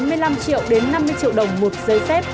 bốn mươi năm triệu đến năm mươi triệu đồng một giấy phép